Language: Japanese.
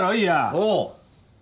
おう。